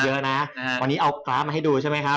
เยอะนะวันนี้เอากราฟมาให้ดูใช่ไหมครับ